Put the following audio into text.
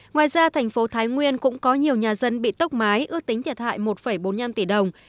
ngoài ra thành phố thái nguyên cũng có nhiều nhà dân bị tốc mái ước tính thiệt hại một bốn mươi năm tỷ đồng